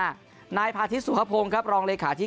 ชื่อในช่วงต้นเดือนหน้านายพาธิสสุภพงศ์ครับรองเลยขาที่